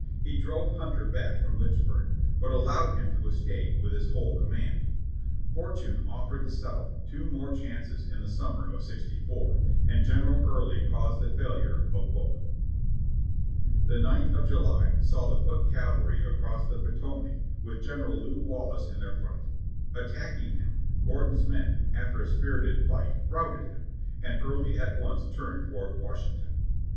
He drove Hunter back from Lynchburg, but allowed him to escape with his whole com mand. Fortune offered the South two more chances in the summer of sixty four, and General Early caused the failure of both. The ninth of July saw the "foot cavalry" across the Potomac with General Lew Wallace in their front. Attacking him, Gor don's men, after a spirited fight, routed him, and Early at once turned toward Washington.